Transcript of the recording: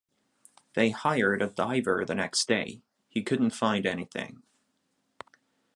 They hired a diver the next day... he couldn't find anything.